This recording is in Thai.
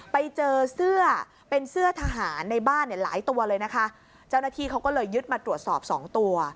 ไปเจอเสื้อเป็นเสื้อทหารในบ้านเนี่ยหลายตัวเลยนะคะเจ้าหน้าที่เขาก็เลยยึดมาตรวจสอบสองตัว